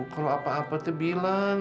kalau apa apa tuh bilang